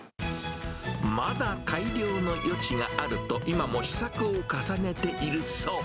まだ改良の余地があると、今も試作を重ねているそう。